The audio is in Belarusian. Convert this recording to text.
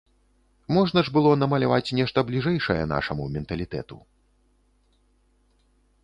Можна ж было намаляваць нешта бліжэйшае нашаму менталітэту.